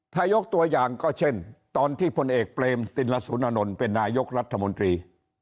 ถ้ายกตัวอย่างก็เช่นตอนที่พลเอกเปรมติลสุนนท์เป็นนายกรัฐมนตรี